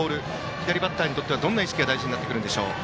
左バッターにとってどんな意識が大事でしょうか。